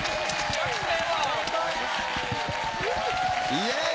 イエーイ！